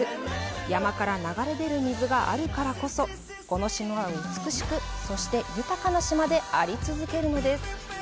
山から流れ出る水があるからこそこの島は美しく、そして豊かな島であり続けるのです。